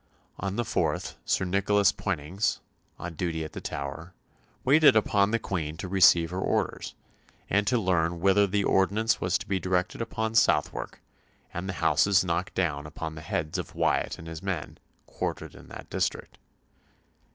On the 4th Sir Nicholas Poynings, on duty at the Tower, waited upon the Queen to receive her orders, and to learn whether the ordnance was to be directed upon Southwark, and the houses knocked down upon the heads of Wyatt and his men, quartered in that district.